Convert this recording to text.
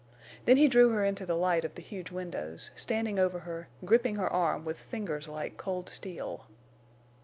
Then he drew her into the light of the huge windows, standing over her, gripping her arm with fingers like cold steel.